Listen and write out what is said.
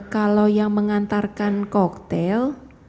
kalau yang mengantarkan cocktail